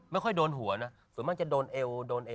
ไม่ค่อยโดนหัวนะส่วนมากจะโดนเอวโดนเอว